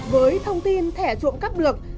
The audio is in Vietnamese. với thông tin thẻ trộm cắp được